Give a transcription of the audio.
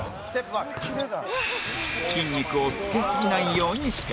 筋肉をつけすぎないようにしている